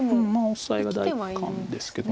オサエが第一感ですけど。